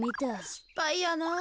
しっぱいやな。